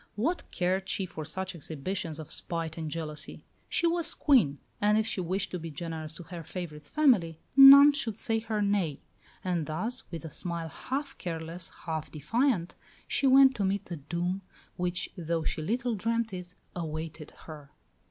What cared she for such exhibitions of spite and jealousy? She was Queen; and if she wished to be generous to her favourite's family, none should say her nay. And thus, with a smile half careless, half defiant, she went to meet the doom which, though she little dreamt it, awaited her.